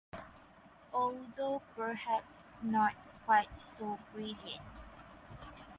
Although perhaps not quite so brilliant.